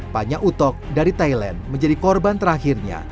panya utok dari thailand menjadi korban terakhirnya